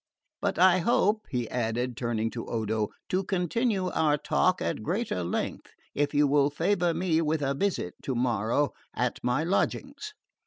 "But I hope," he added, turning to Odo, "to continue our talk at greater length, if you will favour me with a visit tomorrow at my lodgings."